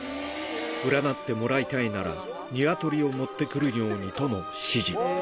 占ってもらいたいなら、鶏を持ってくるようにとの指示。